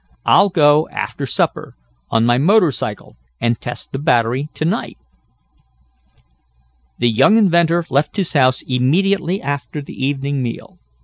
"I'll go after supper, on my motor cycle, and test the battery to night." The young inventor left his house immediately after the evening meal.